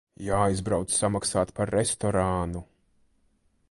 Jāaizbrauc samaksāt par restorānu.